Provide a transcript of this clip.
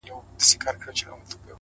وخت د هوښیارو پانګه ده.!